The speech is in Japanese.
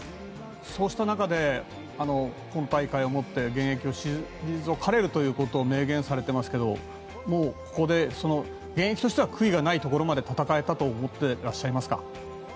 そうした中で今大会をもって現役を退かれるということを明言されてますけどもうここで現役としては悔いがないところまで戦えたと思っていらっしゃいますか？